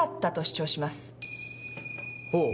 ほう。